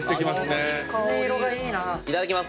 いただきます。